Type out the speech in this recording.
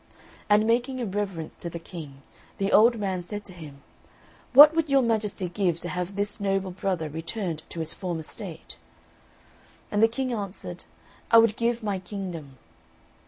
And making a reverence to the King, the old man said to him, "What would your Majesty give to have this noble brother return to his former state?" And the King answered, "I would give my kingdom."